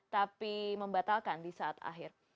tapi membatalkan di saat akhir